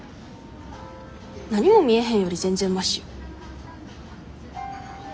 何も見えへんより全然マシよ。